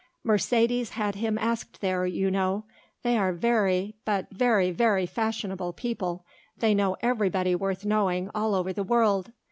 Mercedes had him asked there, you know; they are very, but very, very fashionable people, they know everybody worth knowing all over the world.